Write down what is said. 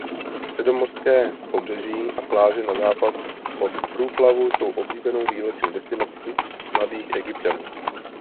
Středomořské pobřeží a pláže na západ od průplavu jsou oblíbenou výletní destinací mladých Egypťanů.